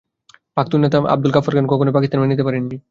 পাখতুন নেতা খান আবদুল গাফফার খান কখনোই পাকিস্তান মেনে নিতে পারেননি।